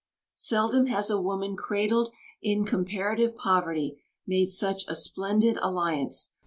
Seldom has a woman cradled in comparative poverty made such a splendid alliance.